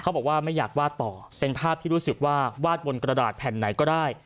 บอกว่าไม่อยากวาดต่อเป็นภาพที่รู้สึกว่าวาดบนกระดาษแผ่นไหนก็ได้